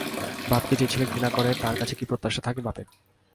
বাপকে যে ছেলে ঘৃণা করে, তার কাছে কী প্রত্যাশা থাকে বাপের?